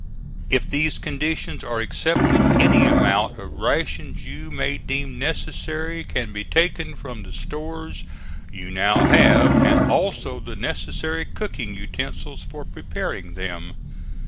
If these conditions are accepted, any amount of rations you may deem necessary can be taken from the stores you now have, and also the necessary cooking utensils for preparing them.